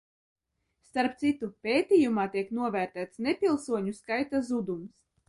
Starp citu, pētījumā tiek novērtēts nepilsoņu skaita zudums.